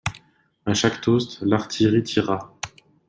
À chaque toast, l'artillerie tira.